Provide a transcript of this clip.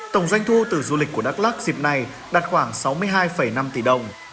tổng doanh thu từ du lịch của đắk lắc dịp này đạt khoảng sáu mươi hai năm tỷ đồng